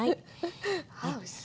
あおいしそう。